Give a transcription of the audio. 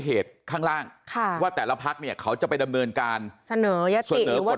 เหตุข้างล่างว่าแต่ละภาคเขาจะไปดำเนินการเสนอยศติหรือว่า